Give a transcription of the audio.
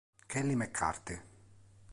Kelly McCarty